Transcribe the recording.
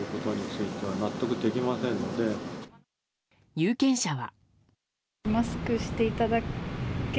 有権者は。